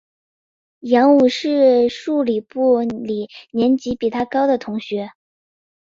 杨武之是数理部里年级比他高的同学。